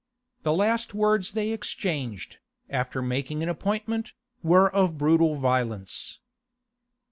The last words they exchanged, after making an appointment, were of brutal violence.